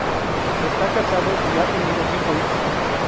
Está casado y ha tenido cinco hijos.